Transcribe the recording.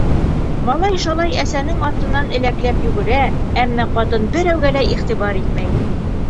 Малай-шалай әсәнең артынан әләкләп йүгерә, әммә ҡатын берәүгә лә иғтибар итмәй.